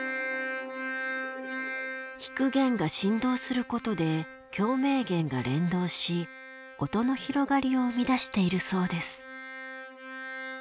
弾く弦が振動することで共鳴弦が連動し音の広がりを生み出しているそうです。